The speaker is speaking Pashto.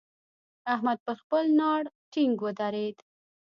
احمد پر خپل ناړ ټينګ ودرېد.